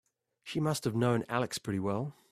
She must have known Alex pretty well.